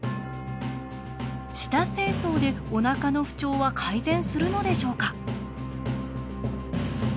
舌清掃でお腹の不調は改善するのでしょうか？